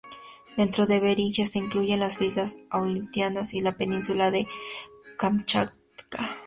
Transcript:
Dentro de Beringia se incluyen las islas Aleutianas y la península de Kamchatka.